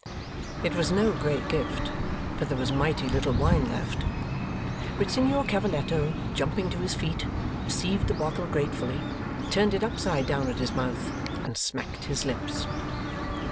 It was no great gift, for there was mighty little wine left; but Signor Cavalletto, jumping to his feet, received the bottle gratefully, turned it upside down at his mouth, and smacked his lips.